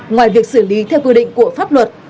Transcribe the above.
ngoài việc xử lý theo quy định của pháp luật